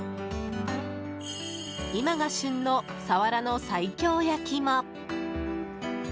今が旬のサワラの西京焼きも。